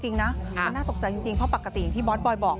จริงน่าตกใจจริงเพราะปกติที่บ๊อสบอยบอก